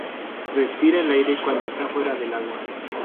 Respira el aire cuando está fuera del agua.